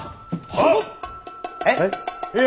はっ。